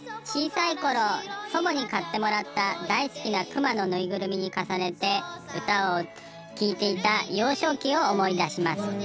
「小さい頃祖母に買ってもらった大好きなクマのぬいぐるみに重ねて歌を聴いていた幼少期を思い出します。